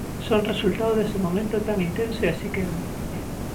Son resultado dese momento tan intenso e así quedan.